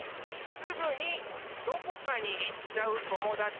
すぐにどこかにいっちゃうともだち？